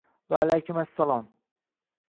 Va alaykum assalom.